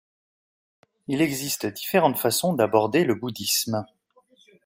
Il existe différentes façons d'aborder le bouddhisme.